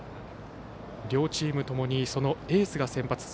両チームともにエースが先発。